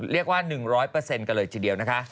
เรียกว่า๑๐๐เปอร์เซ็นต์ก็เลยทีเดียวนะคะ